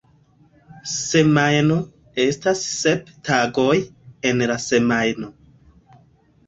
Semajno: estas sep tagoj en la semajno.